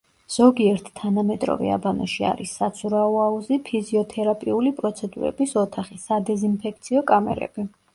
ზოგიერთ თანამედროვე აბანოში არის საცურაო აუზი, ფიზიოთერაპიული პროცედურების ოთახი, სადეზინფექციო კამერები.